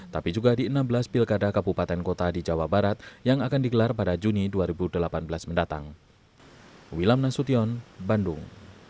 tapi juga di enam belas pilkada kabupaten kota di jawa barat yang akan digelar pada juni dua ribu delapan belas mendatang